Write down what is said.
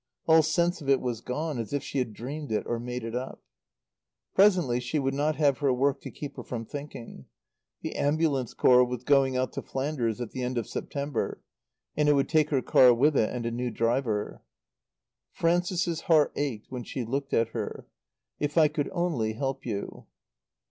All sense of it was gone, as if she had dreamed it or made it up. Presently she would not have her work to keep her from thinking. The Ambulance Corps was going out to Flanders at the end of September, and it would take her car with it and a new driver. Frances's heart ached when she looked at her. "If I could only help you."